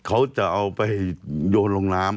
เขาจะเอาไปโยนลงน้ำ